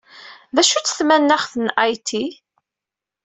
D acu-tt tmaneɣt n Haiti?